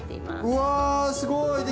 うんすごい！